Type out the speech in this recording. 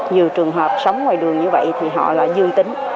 nhiều trường hợp sống ngoài đường như vậy thì họ lại dương tính